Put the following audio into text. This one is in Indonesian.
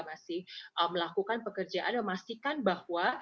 masih melakukan pekerjaan memastikan bahwa